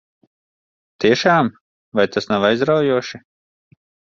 Tiešām? Vai tas nav aizraujoši?